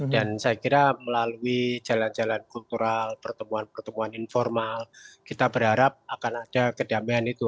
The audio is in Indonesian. dan saya kira melalui jalan jalan kultural pertemuan pertemuan informal kita berharap akan ada kedamaian itu